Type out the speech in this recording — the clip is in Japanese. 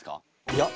いや。